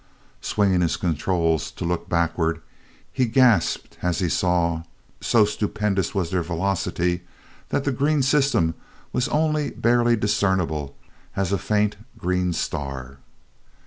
Swinging his controls to look backward, he gasped as he saw, so stupendous was their velocity, that the green system was only barely discernible as a faint green star!